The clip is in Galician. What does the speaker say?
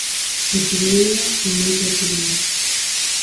Ortigueira é moita Ortigueira.